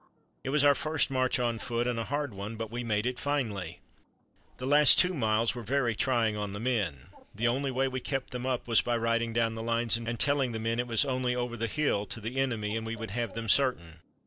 It was our first march on foot and a hard one, but we made it finely. The last two miles were very trying on the men. The only way we kept them up was by riding down the lines and telling the men it was only over the hill to the enemy, and we would have them certain.